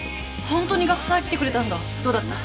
ホントに学祭来てくれたんだどうだった？